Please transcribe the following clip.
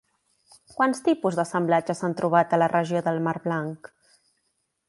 Quants tipus d'assemblatge s'han trobat a la regió del mar Blanc?